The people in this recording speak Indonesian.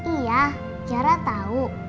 iya tiara tau